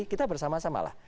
kita bersama sama lah